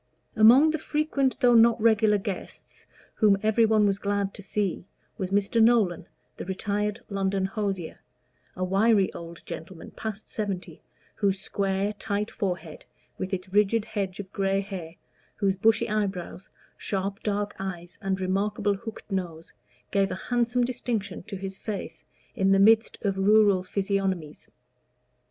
Among the frequent though not regular guests, whom every one was glad to see, was Mr. Nolan, the retired London hosier, a wiry old gentleman past seventy, whose square, tight forehead, with its rigid hedge of gray hair, whose bushy eyebrows, sharp dark eyes, and remarkable hooked nose, gave a handsome distinction to his face in the midst of rural physiognomies.